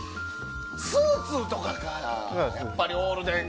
スーツとかから、やっぱりオールデン。